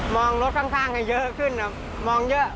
มองรถข้างให้เยอะขึ้นครับ